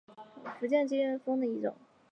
福建畸脉姬蜂的一种。